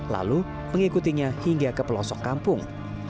lalu mengikutinya hingga ke pelosok kampung